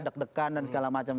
deg degan dan segala macam